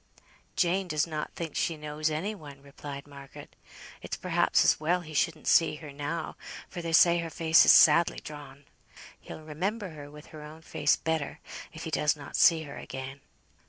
"Jane does not think she knows any one," replied Margaret. "It's perhaps as well he shouldn't see her now, for they say her face is sadly drawn. He'll remember her with her own face better, if he does not see her again."